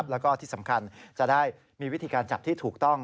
แล้วก็ที่สำคัญจะได้มีวิธีการจับที่ถูกต้อง